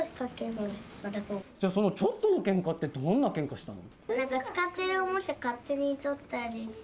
じゃあそのちょっとのケンカってどんなケンカしたの？